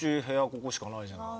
ここしかないじゃない。